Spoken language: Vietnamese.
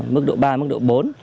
mức độ ba mức độ bốn